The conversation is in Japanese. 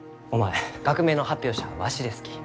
学名の発表者はわしですき。